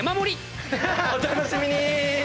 お楽しみに！